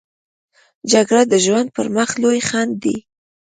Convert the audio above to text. جګړه د ژوند پر مخ لوی خنډ دی